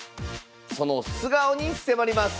その素顔に迫ります